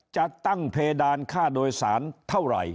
จะตั้งเพดานค่าโดยสารเท่าไหร่